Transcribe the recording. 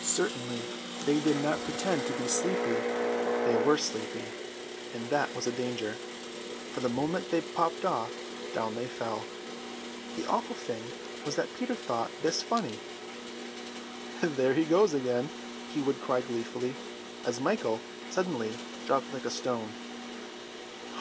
Certainly they did not pretend to be sleepy, they were sleepy; and that was a danger, for the moment they popped off, down they fell. The awful thing was that Peter thought this funny. "There he goes again!" he would cry gleefully, as Michael suddenly dropped like a stone.